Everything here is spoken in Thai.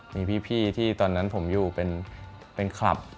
มีพี่ที่ตอนนั้นผมอยู่เป็นคลับ